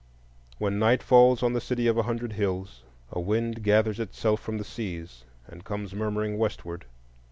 When night falls on the City of a Hundred Hills, a wind gathers itself from the seas and comes murmuring westward.